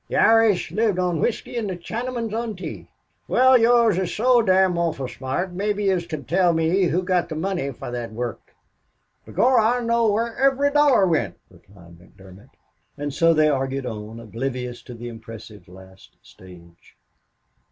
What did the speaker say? "The Irish lived on whisky an' the Chinamons on tay.... Wal, yez is so dom' orful smart, mebbe yez can tell me who got the money for thot worrk." "B'gorra, I know where ivery dollar wint," replied McDermott. And so they argued on, oblivious to the impressive last stage.